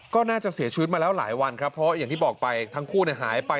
ก็น่าจะเสียชีวิตมาแล้วหลายวันครับเพราะอย่างที่บอกไปทั้งคู่หายไป